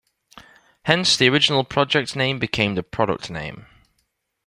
Hence, the original project name became the product name.